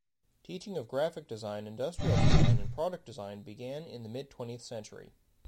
Teaching of graphic design, industrial design and product design began in the mid-twentieth century.